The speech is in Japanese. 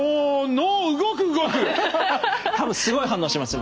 多分すごい反応してます